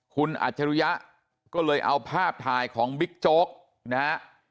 คุณอัจฉริยะก็เลยเอาภาพถ่ายของบิ๊กโจ๊กนะฮะ